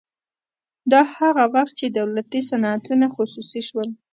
دا هغه وخت چې دولتي صنعتونه خصوصي شول